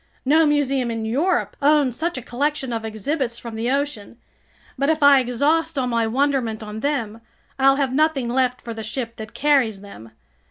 No museum in Europe owns such a collection of exhibits from the ocean. But if I exhaust all my wonderment on them, I'll have nothing left for the ship that carries them!